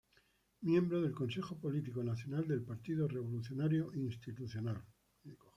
Miembro del Consejo Político Nacional del Partido Revolucionario Institucional.